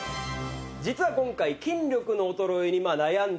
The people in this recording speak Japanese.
実は今回。